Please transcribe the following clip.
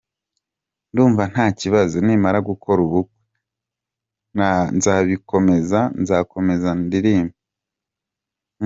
Ndumva nta kibazo, nimara gukora ubukwe nzabikomeza, nzakomeza ndirimbe.